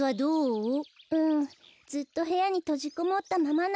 うんずっとへやにとじこもったままなの。